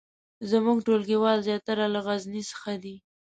زمونږ ټولګیوال زیاتره له غزني څخه دي